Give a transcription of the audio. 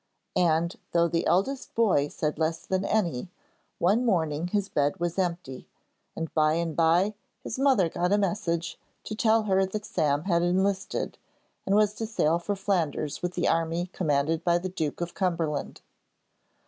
and, though the eldest boy said less than any, one morning his bed was empty, and by and bye his mother got a message to tell her that Sam had enlisted, and was to sail for Flanders with the army commanded by the Duke of Cumberland.